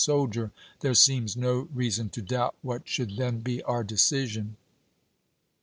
soldier, there seems no reason to doubt what should then be our decision. Nov.